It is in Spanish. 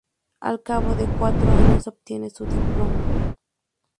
Al cabo de cuatro años, obtiene su diploma.